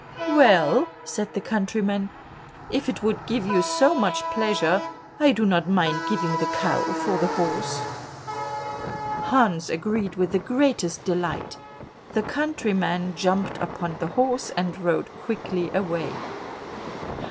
"Well," said the countryman, "if it would give you so much pleasure, I do not mind giving the cow for the horse." Hans agreed with the greatest delight; the countryman jumped upon the horse, and rode quickly away.